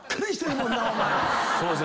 そうですね。